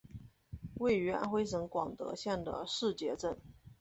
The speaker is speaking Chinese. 位于安徽省广德县的誓节镇。